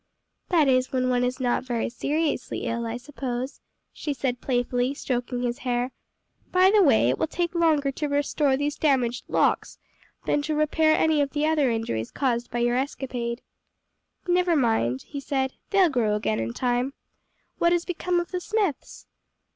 "That is when one is not very seriously ill, I suppose?" she said playfully, stroking his hair. "By the way, it will take longer to restore these damaged locks, than to repair any of the other injuries caused by your escapade." "Never mind," he said, "they'll grow again in time. What has become of the Smiths?"